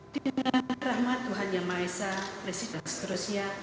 dengan rahmat tuhan yang maha esa presiden seterusnya